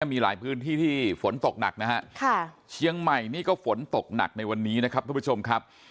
มีหลายพื้นที่ที่ฝนตกหนักนะฮะเชียงใหม่นี่ก็ฝนตกหนักในวันนี้นะครับทุกผู้ชมครับ